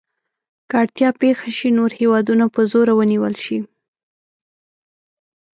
که اړتیا پېښه شي نور هېوادونه په زوره ونیول شي.